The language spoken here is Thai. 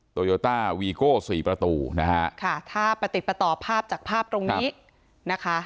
โยต้าวีโก้สี่ประตูนะฮะค่ะถ้าประติดประต่อภาพจากภาพตรงนี้นะคะ